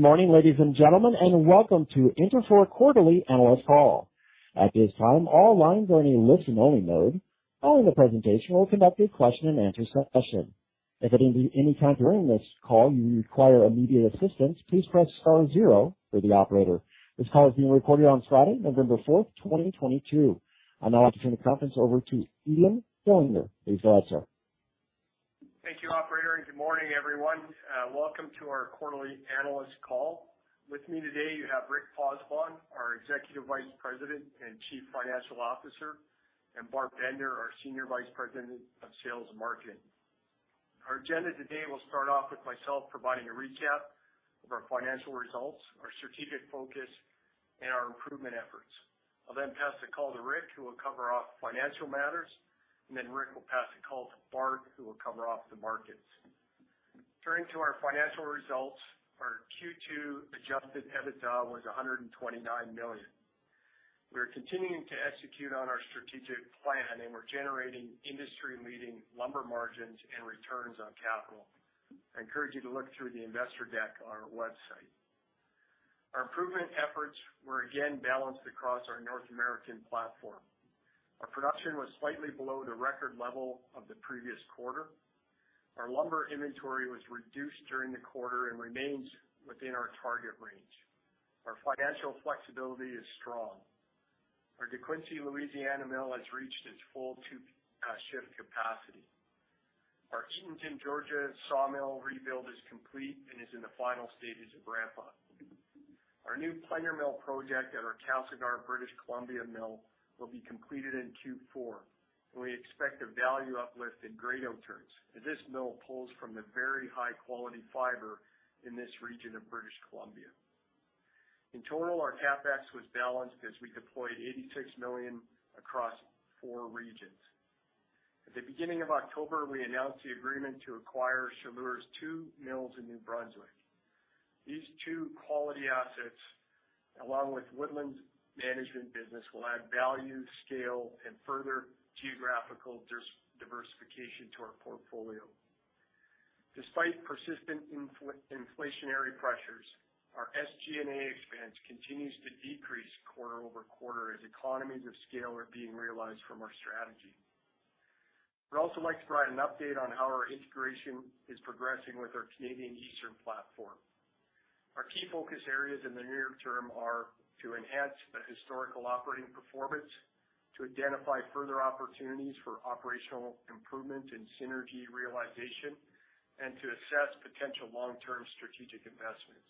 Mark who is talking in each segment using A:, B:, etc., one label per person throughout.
A: Good morning, ladies and gentlemen, and welcome to Interfor Quarterly Analyst Call. At this time, all lines are in a listen only mode. Following the presentation, we'll conduct a question and answer session. If at any time during this call you require immediate assistance, please press star zero for the operator. This call is being recorded on Friday, November 4, 2022. I'd now like to turn the conference over to Ian Fillinger. Ian, go ahead, sir.
B: Thank you, operator, and good morning everyone. Welcome to our quarterly analyst call. With me today you have Rick Pozzebon, our Executive Vice President and Chief Financial Officer, and Bart Bender, our Senior Vice President of Sales and Marketing. Our agenda today will start off with myself providing a recap of our financial results, our strategic focus and our improvement efforts. I'll then pass the call to Rick, who will cover off financial matters, and then Rick will pass the call to Bart, who will cover off the markets. Turning to our financial results, our Q2 adjusted EBITDA was 129 million. We are continuing to execute on our strategic plan and we're generating industry-leading lumber margins and returns on capital. I encourage you to look through the investor deck on our website. Our improvement efforts were again balanced across our North American platform. Our production was slightly below the record level of the previous quarter. Our lumber inventory was reduced during the quarter and remains within our target range. Our financial flexibility is strong. Our DeQuincy, Louisiana mill has reached its full 2-shift capacity. Our Eatonton, Georgia Sawmill rebuild is complete and is in the final stages of ramp up. Our new planer mill project at our Castlegar, British Columbia mill will be completed in Q4, and we expect a value uplift in grade returns, as this mill pulls from the very high quality fiber in this region of British Columbia. In total, our CapEx was balanced as we deployed 86 million across four regions. At the beginning of October, we announced the agreement to acquire Chaleur's two mills in New Brunswick. These two quality assets, along with Woodlands' management business, will add value, scale and further geographical diversification to our portfolio. Despite persistent inflationary pressures, our SG&A expense continues to decrease quarter-over-quarter as economies of scale are being realized from our strategy. We'd also like to provide an update on how our integration is progressing with our Canadian Eastern platform. Our key focus areas in the near term are to enhance the historical operating performance, to identify further opportunities for operational improvement and synergy realization, and to assess potential long-term strategic investments.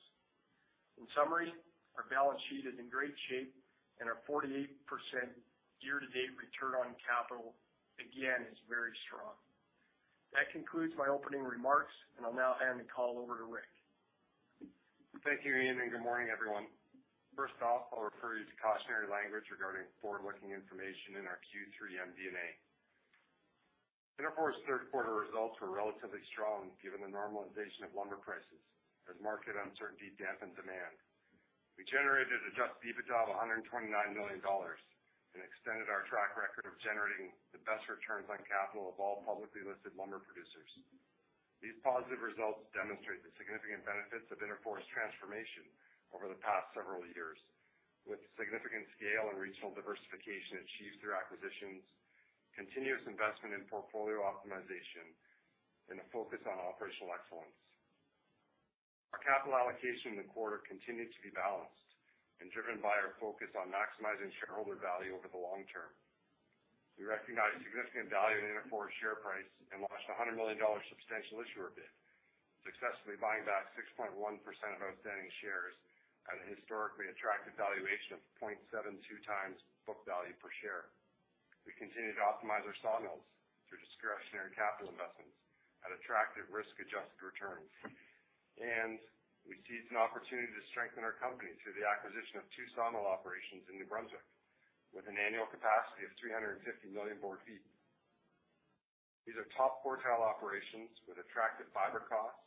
B: In summary, our balance sheet is in great shape and our 48% year-to-date return on capital again is very strong. That concludes my opening remarks, and I'll now hand the call over to Rick.
C: Thank you, Ian, and good morning everyone. First off, I'll refer you to cautionary language regarding forward-looking information in our Q3 MD&A. Interfor's third quarter results were relatively strong given the normalization of lumber prices as market uncertainty dampened demand. We generated adjusted EBITDA of $129 million and extended our track record of generating the best returns on capital of all publicly listed lumber producers. These positive results demonstrate the significant benefits of Interfor's transformation over the past several years, with significant scale and regional diversification achieved through acquisitions, continuous investment in portfolio optimization and a focus on operational excellence. Our capital allocation in the quarter continued to be balanced and driven by our focus on maximizing shareholder value over the long term. We recognize significant value in Interfor's share price and launched a $100 million substantial issuer bid, successfully buying back 6.1% of outstanding shares at a historically attractive valuation of 0.72x book value per share. We continue to optimize our sawmills through discretionary capital investments at attractive risk-adjusted returns. We seized an opportunity to strengthen our company through the acquisition of two sawmill operations in New Brunswick with an annual capacity of 350 million board feet. These are top quartile operations with attractive fiber costs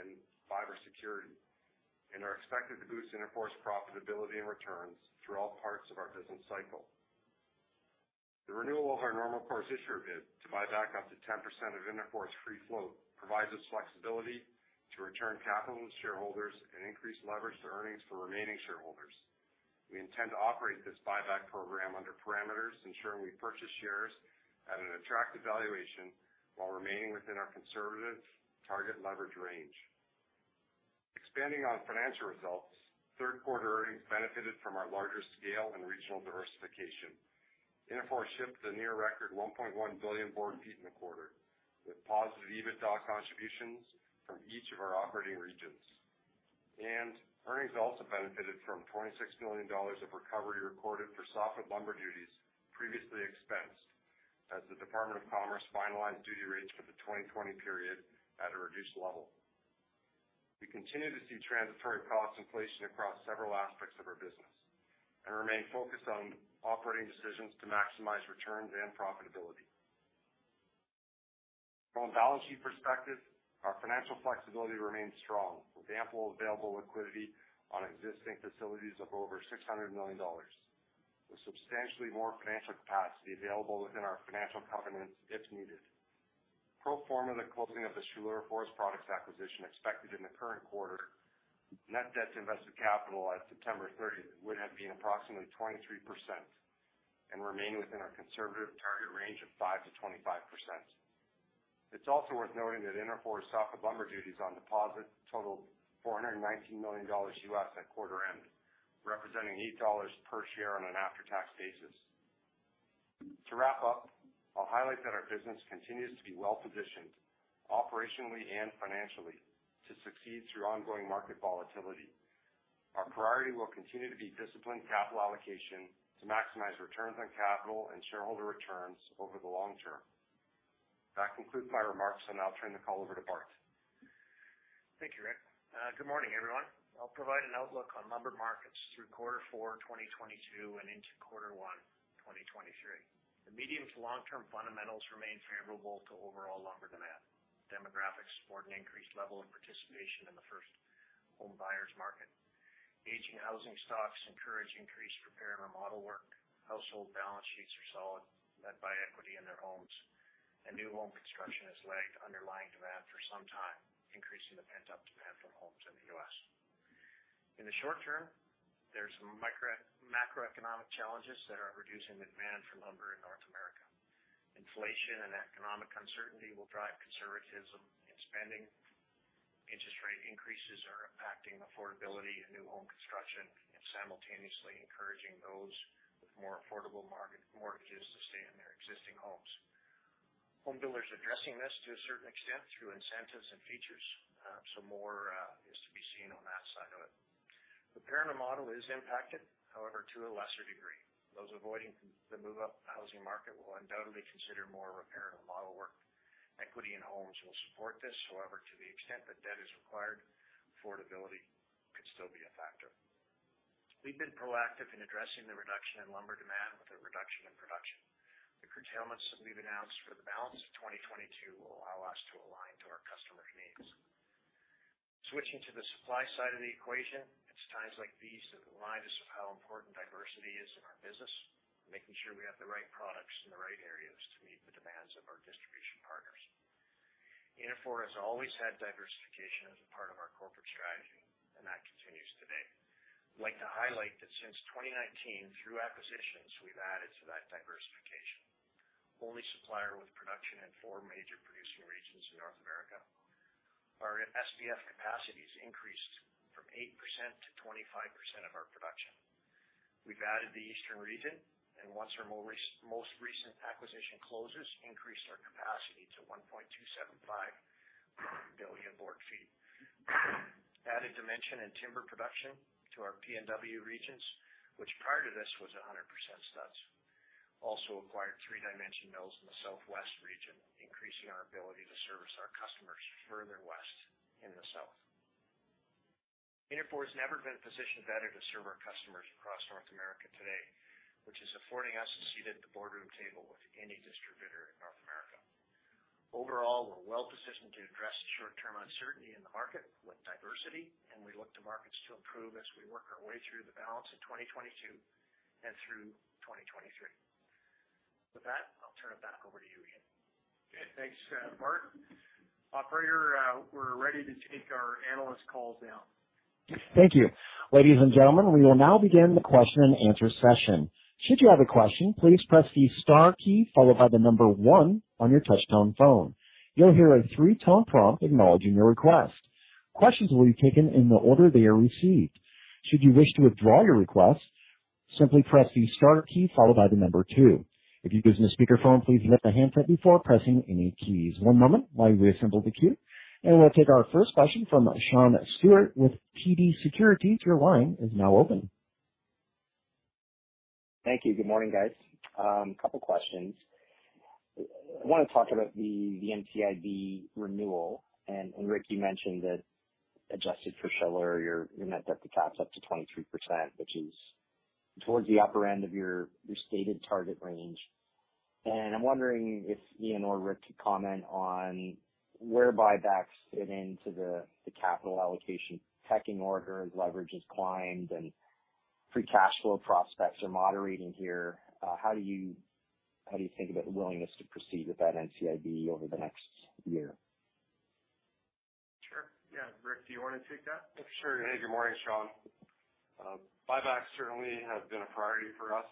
C: and fiber security and are expected to boost Interfor's profitability and returns through all parts of our business cycle. The renewal of our normal course issuer bid to buy back up to 10% of Interfor's free float provides us flexibility to return capital to shareholders and increase leverage to earnings for remaining shareholders. We intend to operate this buyback program under parameters ensuring we purchase shares at an attractive valuation while remaining within our conservative target leverage range. Expanding on financial results, third quarter earnings benefited from our larger scale and regional diversification. Interfor shipped a near record 1.1 billion board feet in the quarter, with positive EBITDA contributions from each of our operating regions. Earnings also benefited from $26 million of recovery recorded for softwood lumber duties previously expensed as the Department of Commerce finalized duty rates for the 2020 period at a reduced level. We continue to see transitory cost inflation across several aspects of our business and remain focused on operating decisions to maximize returns and profitability. From a balance sheet perspective, our financial flexibility remains strong with ample available liquidity on existing facilities of over $600 million, with substantially more financial capacity available within our financial covenants if needed. Pro forma the closing of the Chaleur Forest Products acquisition expected in the current quarter, net debt to invested capital at September 30 would have been approximately 23% and remain within our conservative target range of 5%-25%. It's also worth noting that Interfor's softwood lumber duties on deposit totaled $419 million at quarter end, representing $8 per share on an after-tax basis. To wrap up, I'll highlight that our business continues to be well-positioned operationally and financially to succeed through ongoing market volatility. Our priority will continue to be disciplined capital allocation to maximize returns on capital and shareholder returns over the long term. That concludes my remarks, and I'll turn the call over to Bart.
D: Thank you, Rick. Good morning, everyone. I'll provide an outlook on lumber markets through quarter four 2022 and into quarter one 2023. The medium to long-term fundamentals remain favorable to overall lumber demand. Demographics support an increased level of participation in the first home buyer's market. Aging housing stocks encourage increased repair and remodel work. Household balance sheets are solid, led by equity in their homes. New home construction has lagged underlying demand for some time, increasing the pent-up demand for homes in the US In the short term, there's some macroeconomic challenges that are reducing the demand for lumber in North America. Inflation and economic uncertainty will drive conservatism in spending. Interest rate increases are impacting affordability in new home construction and simultaneously encouraging those with more affordable mortgages to stay in their existing homes. Home builders are addressing this to a certain extent through incentives and features. Some more is to be seen on that side of it. The repair and remodel is impacted, however, to a lesser degree. Those avoiding the move-up housing market will undoubtedly consider more repair and remodel work. Equity in homes will support this. However, to the extent that debt is required, affordability could still be a factor. We've been proactive in addressing the reduction in lumber demand with a reduction in production. The curtailments that we've announced for the balance of 2022 will allow us to align to our customers' needs. Switching to the supply side of the equation, it's times like these that remind us of how important diversity is in our business, making sure we have the right products in the right areas to meet the demands of our distribution partners. Interfor has always had diversification as a part of our corporate strategy, and that continues today. I'd like to highlight that since 2019, through acquisitions, we've added to that diversification. Only supplier with production in four major producing regions in North America. Our SPF capacity has increased from 8%-25% of our production. We've added the eastern region, and once our most recent acquisition closes, increase our capacity to 1.275 billion board feet. Added dimension in timber production to our PNW regions, which prior to this was 100% studs. Also acquired three dimension mills in the southwest region, increasing our ability to service our customers further west in the south. Interfor's never been positioned better to serve our customers across North America today, which is affording us a seat at the boardroom table with any distributor in North America. Overall, we're well positioned to address short-term uncertainty in the market with diversity, and we look to markets to improve as we work our way through the balance of 2022 and through 2023. With that, I'll turn it back over to you, Ian.
B: Okay. Thanks, Bart. Operator, we're ready to take our analyst calls now.
A: Thank you. Ladies and gentlemen, we will now begin the question and answer session. Should you have a question, please press the star key followed by the number one on your touchtone phone. You'll hear a three-tone prompt acknowledging your request. Questions will be taken in the order they are received. Should you wish to withdraw your request, simply press the star key followed by the number two. If you're using a speakerphone, please mute the handset before pressing any keys. One moment while we assemble the queue, and we'll take our first question from Sean Steuart with TD Securities. Your line is now open.
E: Thank you. Good morning, guys. A couple questions. I wanna talk about the NCIB renewal. Rick, you mentioned that adjusted for Chaleur, your net debt to cap is up to 23%, which is towards the upper end of your stated target range. I'm wondering if Ian or Rick could comment on where buybacks fit into the capital allocation pecking order as leverage has climbed and free cash flow prospects are moderating here. How do you think about the willingness to proceed with that NCIB over the next year?
B: Sure. Yeah. Rick, do you wanna take that?
C: Sure. Hey, good morning, Sean. Buybacks certainly have been a priority for us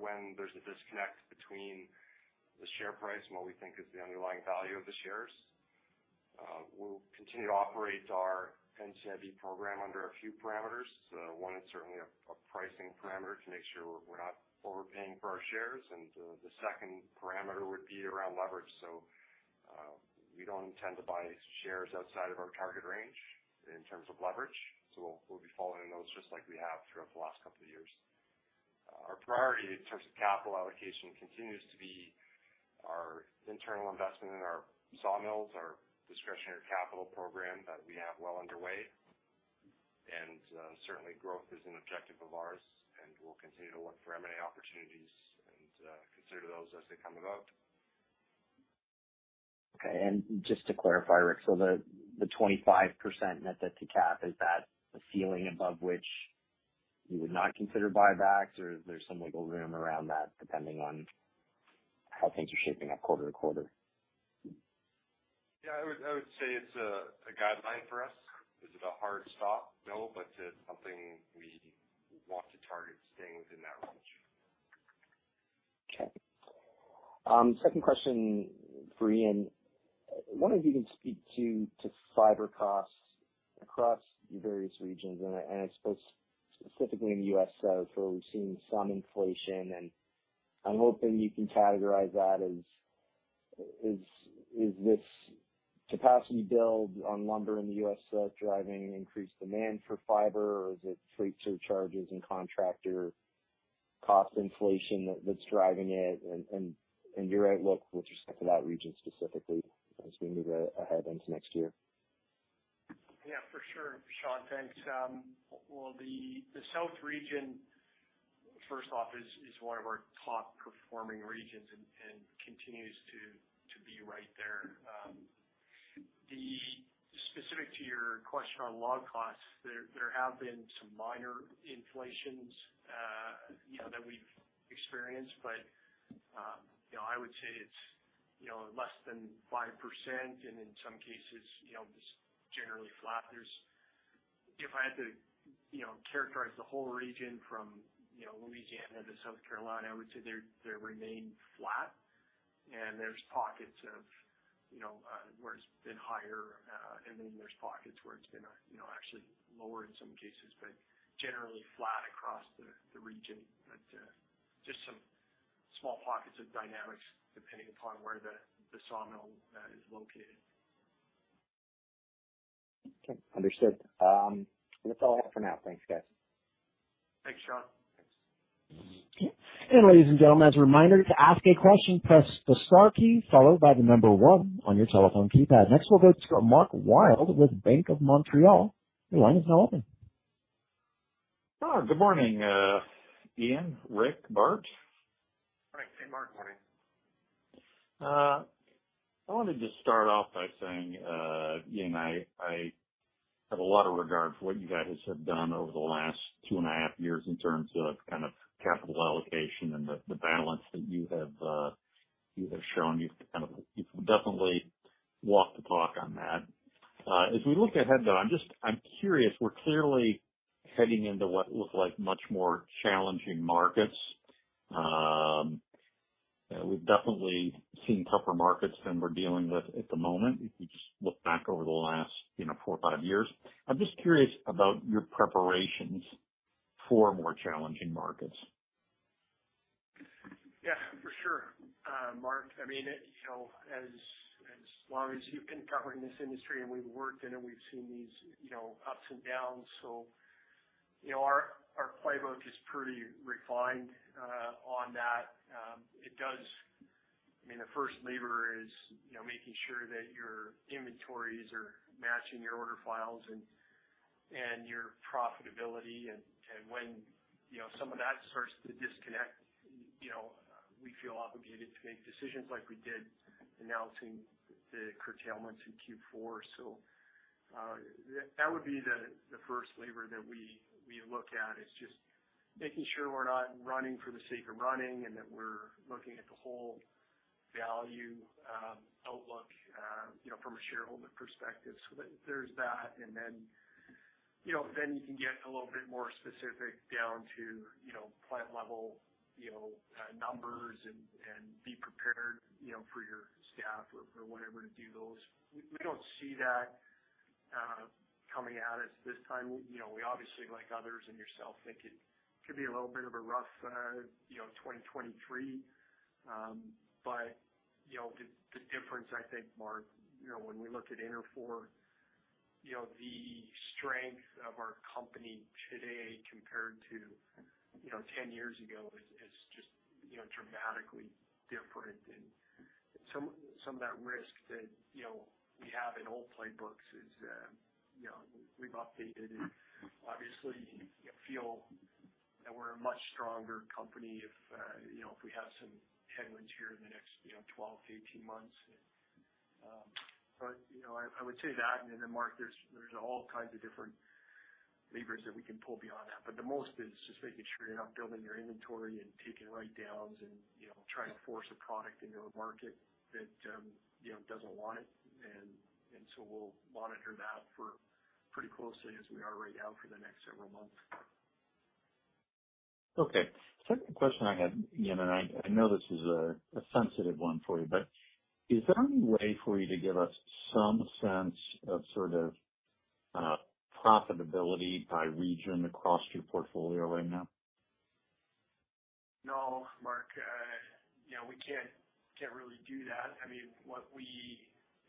C: when there's a disconnect between the share price and what we think is the underlying value of the shares. We'll continue to operate our NCIB program under a few parameters. One is certainly a pricing parameter to make sure we're not overpaying for our shares. The second parameter would be around leverage. We don't intend to buy shares outside of our target range in terms of leverage. We'll be following those just like we have throughout the last couple of years. Our priority in terms of capital allocation continues to be our internal investment in our sawmills, our discretionary capital program that we have well underway. Certainly growth is an objective of ours, and we'll continue to look for M&A opportunities and consider those as they come about.
E: Okay. Just to clarify, Rick, so the 25% net debt to cap, is that a ceiling above which you would not consider buybacks or is there some wiggle room around that depending on how things are shaping up quarter to quarter?
C: Yeah, I would say it's a guideline for us. Is it a hard stop? No, but it's something we want to target staying within that range.
E: Okay. Second question for Ian. I wonder if you can speak to fiber costs across your various regions and I suppose specifically in the US South where we're seeing some inflation and I'm hoping you can categorize that as is this capacity build on lumber in the US South driving increased demand for fiber or is it freight surcharges and contractor cost inflation that's driving it? Your outlook with respect to that region specifically as we move ahead into next year.
B: Yeah, for sure, Sean. Thanks. Well, the South region, first off, is one of our top performing regions and continues to be right there. Specific to your question on log costs, there have been some minor inflations, you know, that we've experienced, but, you know, I would say it's, you know, less than 5% and in some cases, you know, just generally flat. If I had to, you know, characterize the whole region from, you know, Louisiana to South Carolina, I would say they remain flat and there's pockets of, you know, where it's been higher, and then there's pockets where it's been, you know, actually lower in some cases, but generally flat across the region. Just some small pockets of dynamics depending upon where the sawmill is located.
E: Okay. Understood. That's all I have for now. Thanks, guys.
C: Thanks, Sean.
B: Thanks.
A: Ladies and gentlemen, as a reminder, to ask a question, press the star key followed by the number one on your telephone keypad. Next, we'll go to Mark Wilde with BMO Capital Markets. Your line is now open.
F: Oh, good morning, Ian, Rick, Bart.
C: Morning.
B: Hey, Mark. Morning.
F: I wanted to start off by saying, Ian Fillinger, I have a lot of regard for what you guys have done over the last 2.5 years in terms of kind of capital allocation and the balance that you have shown. You've definitely walked the talk on that. As we look ahead, though, I'm curious. We're clearly heading into what look like much more challenging markets. We've definitely seen tougher markets than we're dealing with at the moment, if you just look back over the last, you know, 4 or 5 years. I'm just curious about your preparations for more challenging markets.
B: Yeah, for sure, Mark. I mean, you know, as long as you've been covering this industry and we've worked in it, we've seen these, you know, ups and downs. You know, our playbook is pretty refined on that. I mean, the first lever is, you know, making sure that your inventories are matching your order files and your profitability. When, you know, some of that starts to disconnect, you know, we feel obligated to make decisions like we did announcing the curtailments in Q4. That would be the first lever that we look at is just making sure we're not running for the sake of running and that we're looking at the whole value outlook, you know, from a shareholder perspective. There's that, and then, you know, then you can get a little bit more specific down to, you know, plant level, you know, numbers and be prepared, you know, for your staff or whatever to do those. We don't see that coming at us this time. You know, we obviously like others and yourself think it could be a little bit of a rough, you know, 2023. You know, the difference I think, Mark, you know, when we look at Interfor, you know, the strength of our company today compared to, you know, 10 years ago is just, you know, dramatically different. Some of that risk that, you know, we have in old playbooks is, you know, we've updated and obviously feel that we're a much stronger company if, you know, if we have some headwinds here in the next, you know, 12-18 months. You know, I would say that and then Mark there's all kinds of different levers that we can pull beyond that. The most is just making sure you're not building your inventory and taking write-downs and, you know, trying to force a product into a market that, you know, doesn't want it. So we'll monitor that pretty closely as we are right now for the next several months.
F: Okay. Second question I had, Ian, and I know this is a sensitive one for you, but is there any way for you to give us some sense of sort of profitability by region across your portfolio right now?
B: No, Mark. You know, we can't really do that. I mean, what we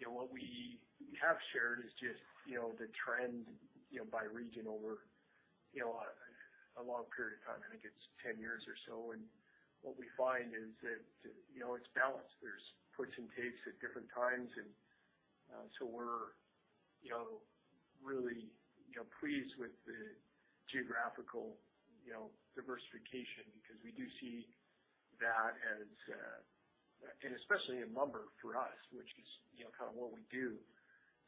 B: have shared is just you know the trend you know by region over you know a long period of time, I think it's 10 years or so. What we find is that you know it's balanced. There's give and take at different times. So we're you know really you know pleased with the geographical you know diversification because we do see. That is especially in lumber for us, which is you know kind of what we do,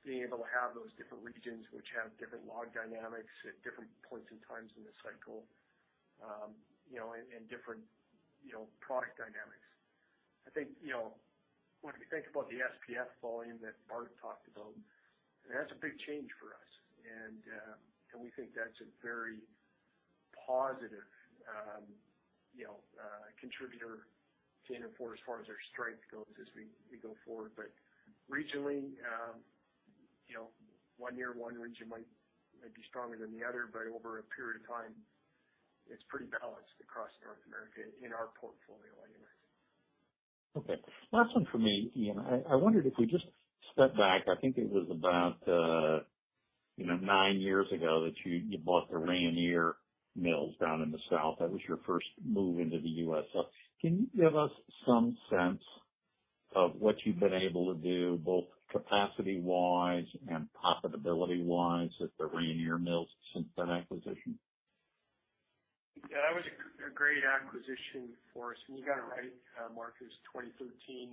B: being able to have those different regions which have different log dynamics at different points and times in the cycle, you know and different you know product dynamics. I think, you know, when we think about the SPF volume that Bart talked about, that's a big change for us. We think that's a very positive, you know, contributor to Interfor as far as our strength goes as we go forward. Regionally, you know, one year, one region might be stronger than the other, but over a period of time, it's pretty balanced across North America in our portfolio anyways.
F: Okay. Last one for me, Ian. I wondered if we just step back. I think it was about, you know, nine years ago that you bought the Rayonier mills down in the South. That was your first move into the US Can you give us some sense of what you've been able to do, both capacity-wise and profitability-wise at the Rayonier mills since that acquisition?
B: Yeah, that was a great acquisition for us. You got it right, Mark, it was 2013.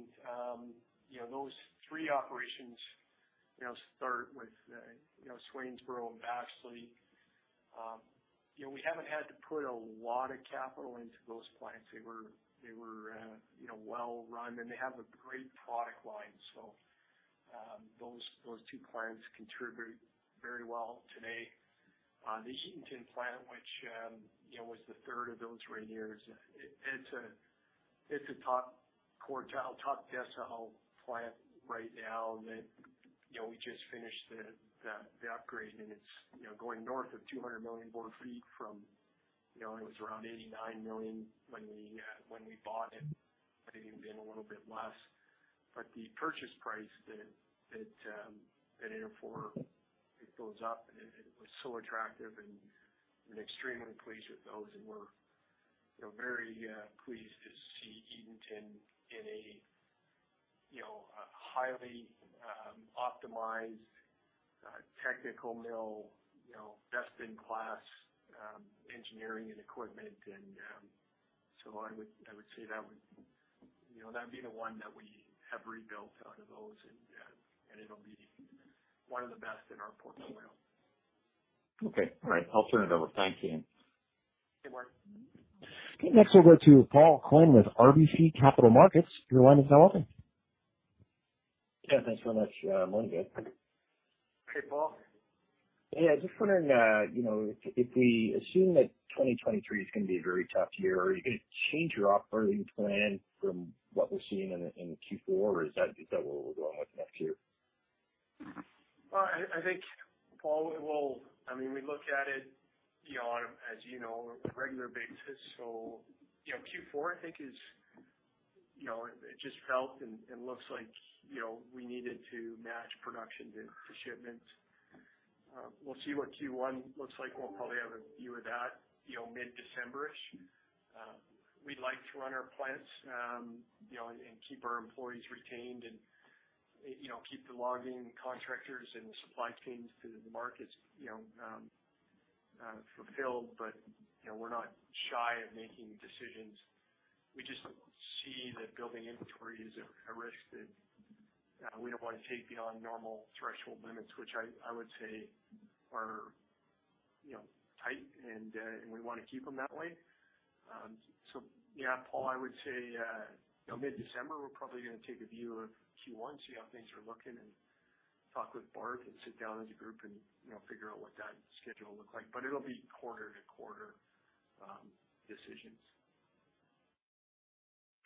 B: Those three operations start with Swainsboro and Baxley. We haven't had to put a lot of capital into those plants. They were well run, and they have a great product line. Those two plants contribute very well today. The Eatonton plant, which was the third of those Rayonier's, it's a top quartile, top decile plant right now that we just finished the upgrade, and it's going north of 200 million board feet. It was around 89 million when we bought it. I think even a little bit less. The purchase price that Interfor builds up and it was so attractive and we're extremely pleased with those and we're, you know, very pleased to see Eatonton in a, you know, a highly optimized technical mill, you know, best in class engineering and equipment and. I would say that would, you know, that'd be the one that we have rebuilt out of those and it'll be one of the best in our portfolio.
F: Okay. All right. I'll turn it over. Thanks, Ian.
B: Okay, Mark.
A: Okay. Next we'll go to Paul Quinn with RBC Capital Markets. Your line is now open.
G: Yeah, thanks so much. Morning, guys.
B: Hey, Paul.
G: Yeah, just wondering, you know, if we assume that 2023 is gonna be a very tough year, are you gonna change your operating plan from what we're seeing in Q4, or is that what we're going with next year?
B: Well, I think, Paul, we will. I mean, we look at it, you know, on a regular basis, as you know. You know, Q4, I think is. You know, it just felt and looks like, you know, we needed to match production to the shipments. We'll see what Q1 looks like. We'll probably have a view of that, you know, mid-December-ish. We'd like to run our plants, you know, and keep our employees retained and, you know, keep the logging contractors and the supply chains to the markets, you know, fulfilled. You know, we're not shy of making decisions. We just see that building inventory is a risk that we don't wanna take beyond normal threshold limits, which I would say are, you know, tight and we wanna keep them that way. Yeah, Paul, I would say, you know, mid-December, we're probably gonna take a view of Q1, see how things are looking and talk with Bart and sit down as a group and, you know, figure out what that schedule will look like. It'll be quarter to quarter decisions.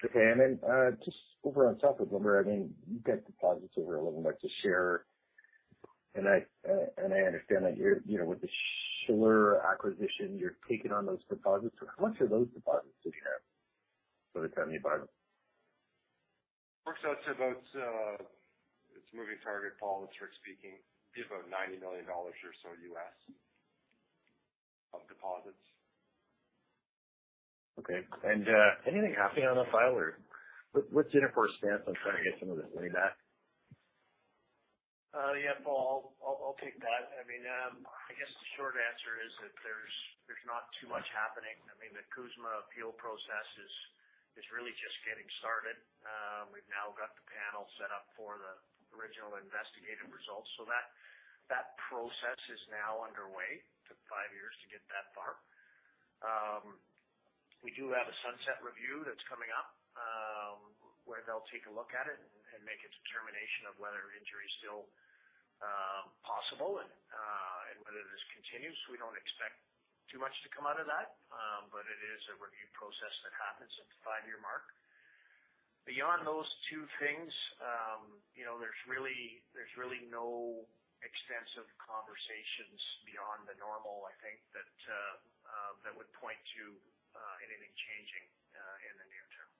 G: Okay. Just over on top of lumber, I mean, you've got deposits over a little under share. I understand that you're, you know, with the Chaleur acquisition, you're taking on those deposits. How much are those deposits that you have for the company, about?
C: Works out to about, it's a moving target, Paul, as we're speaking. Give about $90 million or so US of deposits.
G: Okay. Anything happening on that file or what's Interfor's stance on trying to get some of this money back?
C: Yeah, Paul, I'll take that. I mean, I guess the short answer is that there's not too much happening. I mean, the CUSMA appeal process is really just getting started. We've now got the panel set up for the original investigative results. That process is now underway. Took five years to get that far. We do have a sunset review that's coming up, where they'll take a look at it and make a determination of whether injury is still possible and whether this continues. We don't expect too much to come out of that, but it is a review process that happens at the five-year mark.
B: Beyond those two things, you know, there's really no extensive conversations beyond the normal, I think, that would point to anything changing in the near term.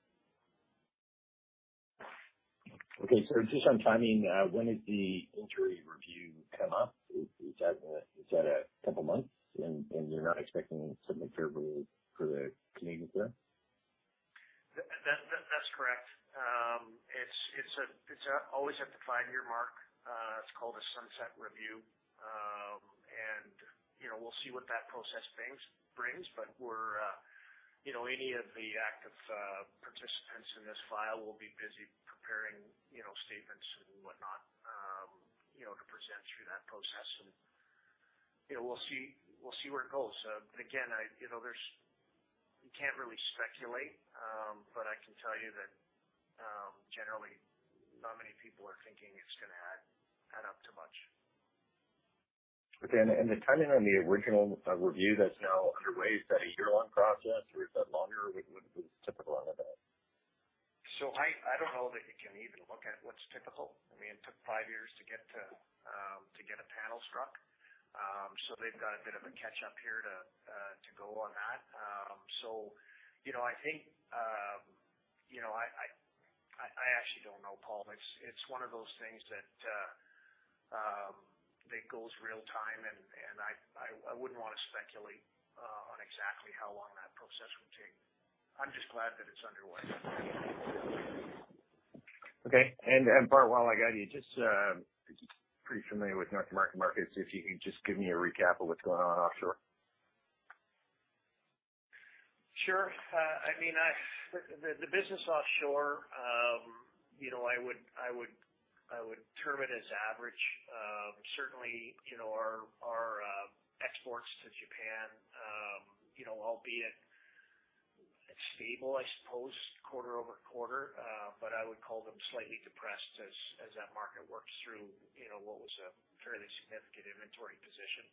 G: Okay. Just on timing, when does the injury review come up? Is that a couple of months and you're not expecting something terribly for the Canadians there?
B: That's correct. It's always at the five-year mark. It's called a sunset review. You know, we'll see what that process brings, but we're, you know, any of the active participants in this file will be busy preparing, you know, statements and whatnot, you know, to present through that process. You know, we'll see where it goes. But again, you can't really speculate, but I can tell you that generally not many people are thinking it's gonna add up to much.
G: Okay. The timing on the original review that's now underway, is that a year-long process, or is that longer? What is typical on that?
B: I don't know that you can even look at what's typical. I mean, it took five years to get a panel struck. They've got a bit of a catch-up here to go on that. You know, I think, you know, I actually don't know, Paul. It's one of those things that goes real time, and I wouldn't wanna speculate on exactly how long that process will take. I'm just glad that it's underway.
G: Okay. Bart, while I got you, just because you're pretty familiar with North American markets, if you can just give me a recap of what's going on offshore?
D: Sure. I mean, the business offshore, you know, I would term it as average. Certainly, you know, our exports to Japan, you know, albeit it's stable I suppose quarter-over-quarter, but I would call them slightly depressed as that market works through, you know, what was a fairly significant inventory position.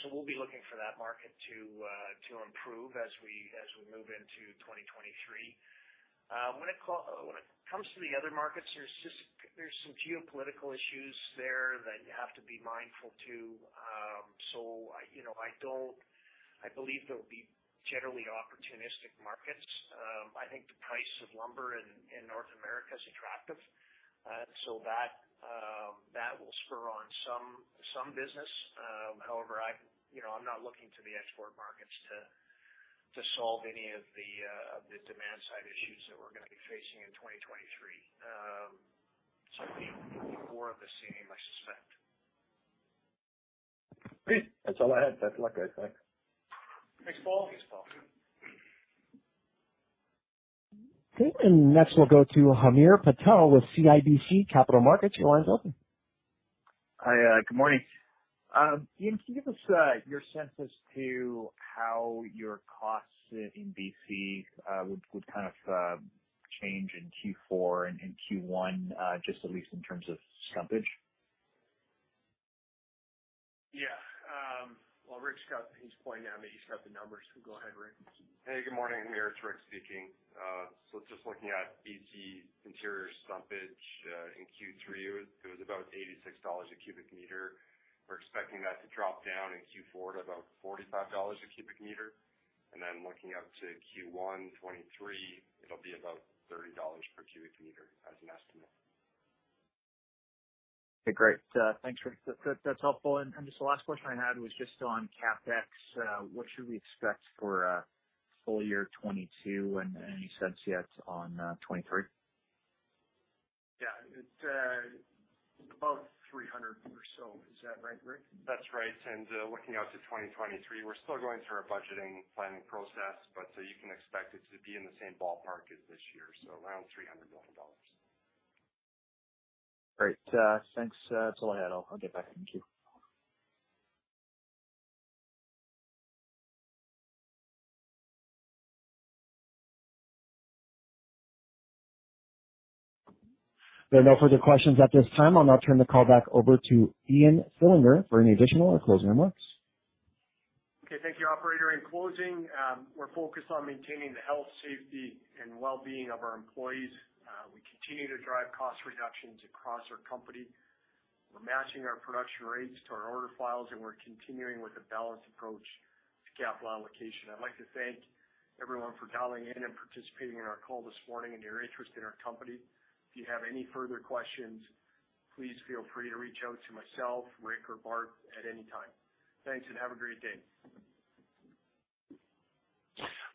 D: So we'll be looking for that market to improve as we move into 2023. When it comes to the other markets, there's just some geopolitical issues there that you have to be mindful to. So I, you know, I believe they'll be generally opportunistic markets. I think the price of lumber in North America is attractive. So that will spur on some business. However, you know, I'm not looking to the export markets to solve any of the demand side issues that we're gonna be facing in 2023. So it'll be more of the same, I suspect.
G: Great. That's all I had. Best of luck, guys. Thanks.
D: Thanks, Paul.
A: Okay. Next we'll go to Hamir Patel with CIBC Capital Markets. Your line's open.
H: Hi. Good morning. Ian, can you give us your sense of how your costs in BC would kind of change in Q4 and in Q1, just at least in terms of stumpage?
D: Yeah. Well, Rick's got. He's pointing at me. He's got the numbers. Go ahead, Rick.
C: Hey, good morning, Hamir. It's Rick speaking. So just looking at B.C. interior stumpage, in Q3 it was about $86 a cubic meter. We're expecting that to drop down in Q4 to about $45 a cubic meter. Then looking out to Q1 2023, it'll be about $30 per cubic meter as an estimate.
H: Okay. Great. Thanks, Rick. That's helpful. Just the last question I had was just on CapEx. What should we expect for full year 2022, and any sense yet on 2023?
D: Yeah. It's above 300 or so. Is that right, Rick?
C: That's right. Looking out to 2023, we're still going through our budgeting planning process, but you can expect it to be in the same ballpark as this year, so around $300 million.
H: Great. Thanks. That's all I had. I'll get back. Thank you.
A: There are no further questions at this time. I'll now turn the call back over to Ian Fillinger for any additional or closing remarks.
B: Okay. Thank you, operator. In closing, we're focused on maintaining the health, safety, and wellbeing of our employees. We continue to drive cost reductions across our company. We're matching our production rates to our order files, and we're continuing with a balanced approach to capital allocation. I'd like to thank everyone for dialing in and participating in our call this morning and your interest in our company. If you have any further questions, please feel free to reach out to myself, Rick, or Bart at any time. Thanks, and have a great day.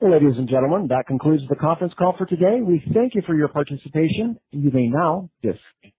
A: Ladies and gentlemen, that concludes the conference call for today. We thank you for your participation. You may now disconnect.